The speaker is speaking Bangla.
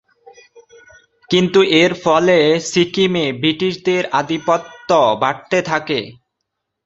কিন্তু এর ফলে সিকিমে ব্রিটিশদের আধিপত্য বাড়তে থাকে।